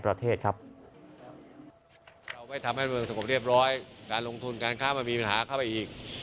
ประเทศครับเราไม่ทำให้เมืองสงบเรียบร้อยการลงทุนการค้ามันมีปัญหาเข้าไปอีก